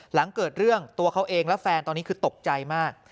หลังเกิดเรื่องตัวเขาเองและแฟนตอนนี้คือตกใจมาก